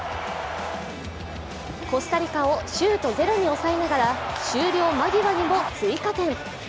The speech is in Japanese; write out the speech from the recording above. コスタリカをシュートゼロに抑えながら終了間際にも追加点。